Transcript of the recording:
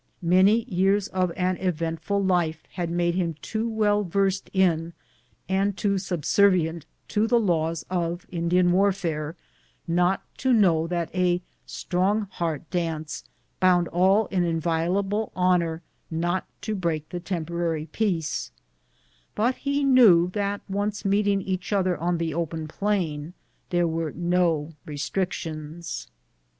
Many years of an eventful life had made him too well versed in, and too subservient to the laws of Indian warfare, not to know that a "Strong Heart" dance bound all in inviolable honor not to break the tempo rary peace ; but he knew that once meeting each other on the open plain there were no restrictions.